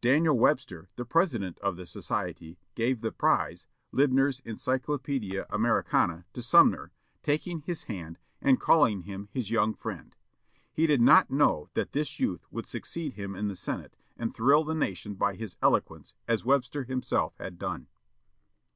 Daniel Webster, the president of the society, gave the prize, Liebner's "Encyclopædia Americana," to Sumner, taking his hand and calling him his "young friend." He did not know that this youth would succeed him in the Senate, and thrill the nation by his eloquence, as Webster himself had done.